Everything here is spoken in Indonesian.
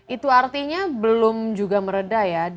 itu artinya belum juga meredah ya